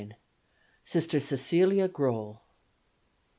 Sister Cecelia Groell.